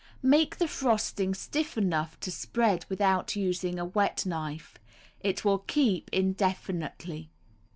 Make the frosting stiff enough to spread without using a wet knife. It will keep indefinitely.